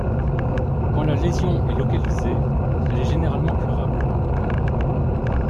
Quand la lésion est localisée, elle est généralement curable.